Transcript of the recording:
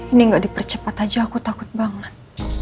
ini gak dipercepat aja aku takut banget